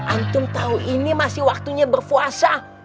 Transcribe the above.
antum tau ini masih waktunya berpuasa